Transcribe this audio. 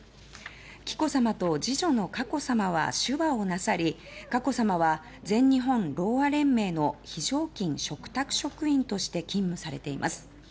紀子さまと次女の佳子さまは手話をなさり佳子さまは全日本ろうあ連盟の非常勤嘱託職員として勤務されています。